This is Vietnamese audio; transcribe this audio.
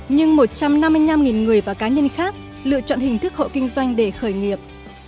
nhưng một trăm năm mươi năm người và cá nhân khác lựa chọn hình thức hộ kinh doanh để khởi nghiệp